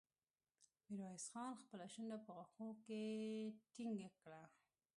ميرويس خان خپله شونډه په غاښونو کې ټينګه کړه.